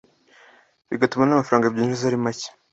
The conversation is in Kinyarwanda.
bigatuma n’amafaranga binjiza ari make